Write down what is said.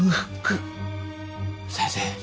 先生